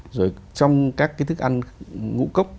rồi trong các cái thức ăn ngũ cốc